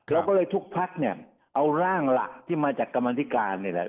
เราก็เลยทุกพักเนี่ยเอาร่างหลักที่มาจากกรรมธิการนี่แหละ